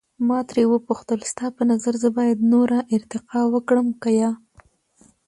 ما ترې وپوښتل، ستا په نظر زه باید نوره ارتقا وکړم که یا؟